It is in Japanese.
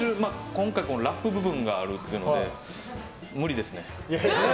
今回ラップ部分があるというので無理ですね。